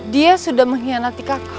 dia sudah mengkhianati kakak